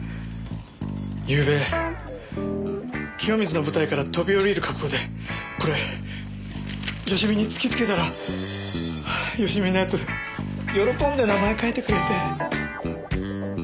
ゆうべ清水の舞台から飛び降りる覚悟でこれ佳美に突きつけたら佳美のやつ喜んで名前書いてくれて。